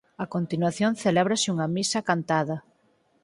A continuación celébrase unha misa cantada.